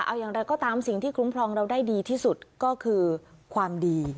เอาอย่างไรก็ตามสิ่งที่คุ้มครองเราได้ดีที่สุดก็คือความดี